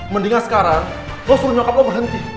mendingan sekarang gue suruh nyokap lo berhenti